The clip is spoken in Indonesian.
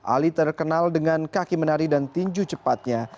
ali terkenal dengan kaki menari dan tinju cepatnya